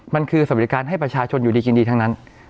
มันคือสวัสดิการให้ประชาชนอยู่ดีกินดีทั้งนั้น